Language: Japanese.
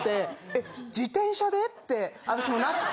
え自転車で？ってあたしもなって。